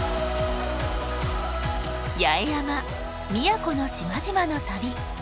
八重山・宮古の島々の旅。